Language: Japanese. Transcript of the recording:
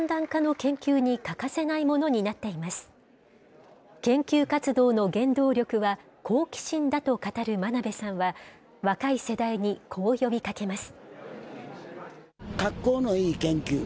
研究活動の原動力は、好奇心だと語る真鍋さんは、若い世代にこう呼びかけます。